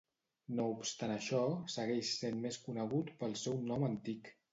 No obstant això, segueix sent més conegut pel seu nom antic.